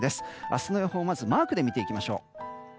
明日の予報を、まずはマークで見ていきましょう。